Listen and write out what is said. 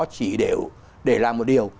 chỉ để làm một điều